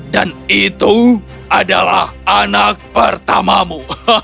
dan itu adalah anak pertamamu